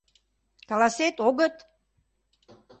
Каласет, огыт?!.